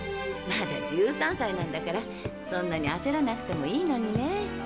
まだ１３歳なんだからそんなにあせらなくてもいいのにね。